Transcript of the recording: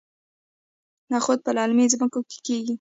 نخود په للمي ځمکو کې کیږي.